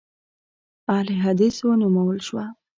اهل حدیث ونومول شوه.